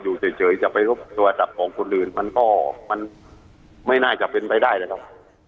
อยู่เฉยจะไปรบโทรศัพท์ของคนอื่นมันก็มันไม่น่าจะเป็นไปได้นะครับ